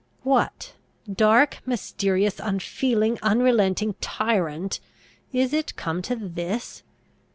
What dark, mysterious, unfeeling, unrelenting tyrant! is it come to this?